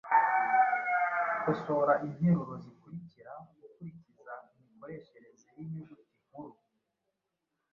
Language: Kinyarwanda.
Kosora interuro zikurikira ukurikiza imikoreshereze y’inyuguti nkuru: